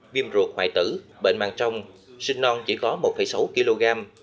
viêm ruột hoại tử bệnh mạng trong sinh non chỉ có một sáu kg